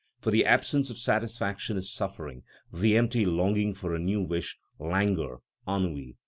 For the absence of satisfaction is suffering, the empty longing for a new wish, languor, ennui.